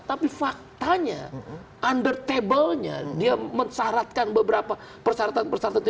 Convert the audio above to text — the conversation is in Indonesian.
tapi faktanya under table nya dia mensyaratkan beberapa persyaratan persyaratan itu